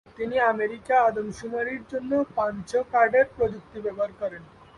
তিনি আমেরিকা আদমশুমারির জন্য পাঞ্চ কার্ডের প্রযুক্তি ব্যবহার করেন।